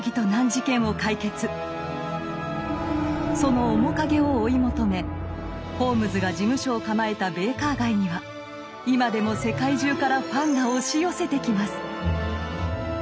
その面影を追い求めホームズが事務所を構えたベイカー街には今でも世界中からファンが押し寄せてきます！